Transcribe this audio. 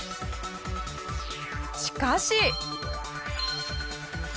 しかし。